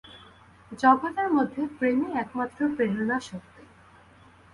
জগতের মধ্যে প্রেমই একমাত্র প্রেরণা-শক্তি।